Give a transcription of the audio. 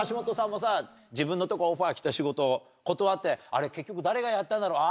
もさ自分のとこオファー来た仕事断ってあれ結局誰がやったんだろう？